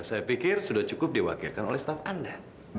saya pikir sudah cukup diwakilkan oleh staff anda